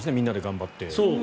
みんなで頑張って。